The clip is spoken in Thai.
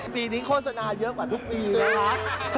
ปีนี้โฆษณาเยอะกว่าทุกปีนะคะ